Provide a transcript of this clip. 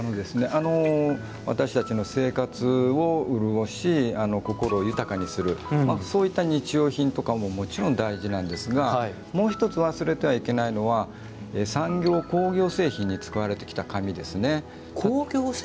私たちの生活を潤し心を豊かにするそういった日用品ももちろん大事なんですがもう一つ忘れてはいけないのが産業、工業製品に使われてきた紙ですね。